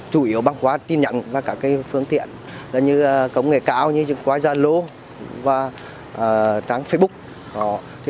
chủ yếu bằng quá tin nhận và các phương tiện như công nghệ cao như quái gia lô và trang facebook